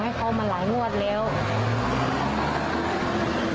ความปลอดภัยของนายอภิรักษ์และครอบครัวด้วยซ้ำ